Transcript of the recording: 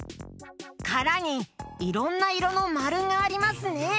からにいろんないろのまるがありますね！